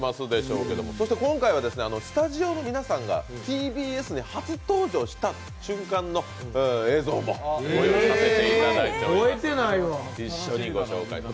今回はスタジオの皆さんがＴＢＳに初登場した瞬間の映像も御用意させていただいております。